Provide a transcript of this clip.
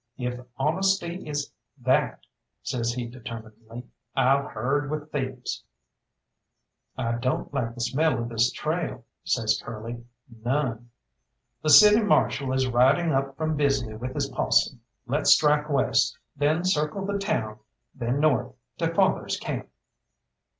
"If honesty is that," says he determinedly, "I'll herd with thieves." "I don't like the smell of this trail," says Curly, "none. The City Marshal is riding up from Bisley with his posse. Let's strike west, then circle the town, then north, to father's camp."